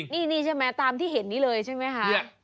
นี่ใช่ไหมตามที่เห็นนี้เลยใช่ไหมคะ